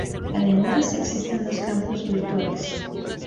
Además, existen dos campus virtuales.